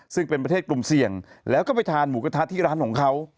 ซึ่งเป็นประเทศกลุ่มเสี่ยงแล้วก็ไปทานหมูกระทะที่ร้านของเขา